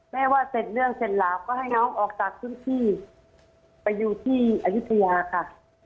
แม่ว่าเสร็จเรื่องเสร็จหลาบก็ให้น้องออกจากพื้นที่ไปอยู่ที่อายุทยาค่ะ